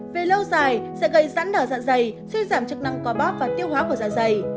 về lâu dài sẽ gây giãn nở dạ dày suy giảm chức năng co bóp và tiêu hóa của dạ dày